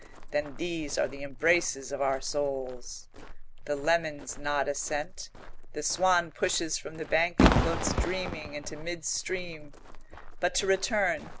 "Then these are the embraces of our souls." The lemons nod assent. The swan pushes from the bank and floats dreaming into mid stream. "But to return.